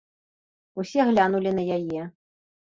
Усе глянулі на яе.